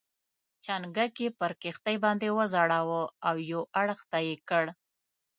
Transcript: چنګک یې پر کښتۍ باندې وځړاوه او یو اړخ ته یې کړ.